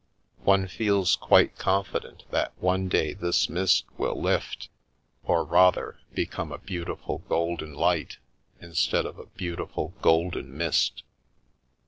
One feels quite confident that one day this mist will lift, or rather, become a beautiful golden light, instead of a beautiful golden mist.